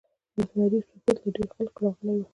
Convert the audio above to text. د مريض تپوس له ډېر خلق راغلي وو